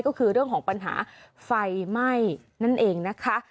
ก็คือเรื่องของปัญหาไฟไหม้นั่นเองนะคะ